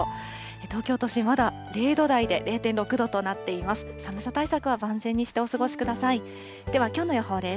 東京都心、まだ０度台で、０．６度となっています。